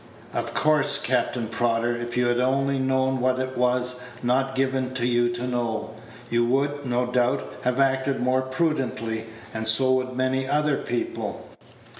Of course, Captain Prodder, if you had only known what it was not given you to know, you would, no doubt, have acted more prudently; and so would many other people.